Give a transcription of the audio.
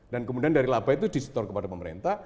dan kemudian dari laba itu disetor kepada pemerintah